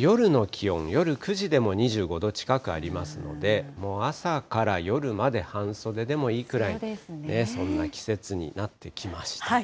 夜の気温、夜９時でも２５度近くありますので、もう朝から夜まで半袖でもいいくらい、そんな季節になってきました。